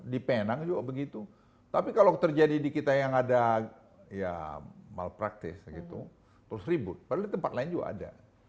di penang juga begitu tapi kalau terjadi di kita yang ada ya malpraktis gitu terus ribut padahal di tempat lain juga ada